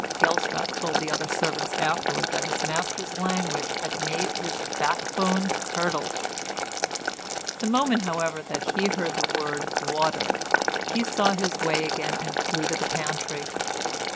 Gelstrap told the other servants afterwards that his master's language had made his backbone curdle. The moment, however, that he heard the word "water," he saw his way again, and flew to the pantry.